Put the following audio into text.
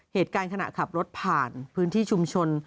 เหตุการณ์ขณะขับรถผ่านพื้นที่ชุมชน